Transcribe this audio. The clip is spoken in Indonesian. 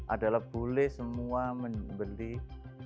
adalah boleh semua membeli barang dan jasa yang berbeda